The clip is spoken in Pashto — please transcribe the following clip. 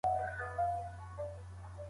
انسان باید د بدلون په تمه هڅه وکړي.